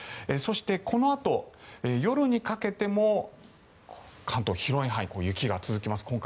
そして、このあと夜にかけても関東広い範囲で雪が続きます。